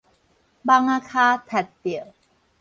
蠓仔跤踢著